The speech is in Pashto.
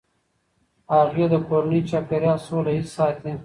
هغې د کورني چاپیریال سوله ایز ساتي.